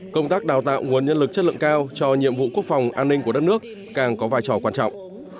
công tác đào tạo nguồn nhân lực chất lượng cao cho nhiệm vụ quốc phòng an ninh của đất nước càng có vai trò quan trọng